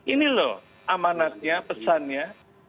ini loh amanatnya pesannya